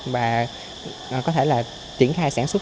và có thể là triển khai sản xuất